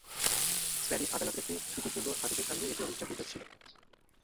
Spanish আদালতের একটি ত্রুটিপূর্ণ আদেশের কারণে এটি অনিচ্ছাকৃত ছিল।